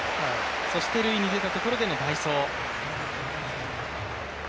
そして塁に出たところでの代走。